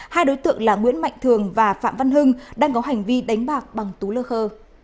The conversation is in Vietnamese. hai đối tượng là nguyễn mạnh thường và phạm văn hưng đang có hành vi đánh bạc bằng tú lơ khơ